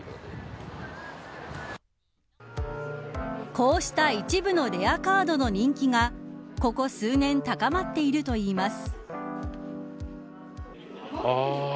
こうした一部のレアカードの人気がここ数年高まっているといいます。